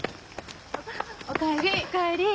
お帰り。